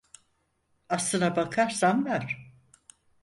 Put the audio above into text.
Aslına bakarsan var.